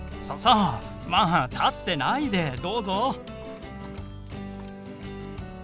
さあさあまあ立ってないでどうぞ。